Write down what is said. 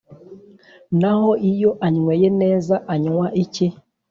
naho iyo anyweye neza anywa iki ?